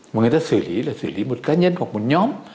mà người ta xử lý là xử lý một cá nhân hoặc một nhóm